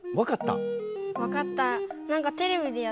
分かった。